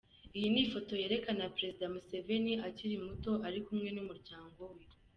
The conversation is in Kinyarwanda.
Iyi ni ifoto yerekana Perezida Museveni akiri muto ari kumwe n'umuryango we.